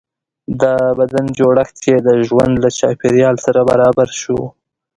د بدن جوړښت یې د ژوند له چاپېریال سره برابر شو.